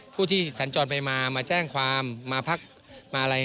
ผู้ที่สัญจรไปมามาแจ้งความมาพักมาอะไร